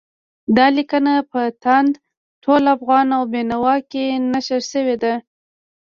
دا لیکنه په تاند، ټول افغان او بېنوا کې نشر شوې ده.